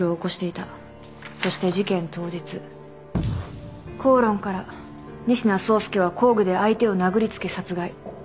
そして事件当日口論から仁科壮介は工具で相手を殴りつけ殺害。